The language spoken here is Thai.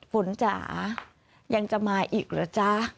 ฝนจ๋ายังจะมาอีกเหรอจ๊ะ